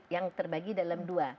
yang terbagi dalam dua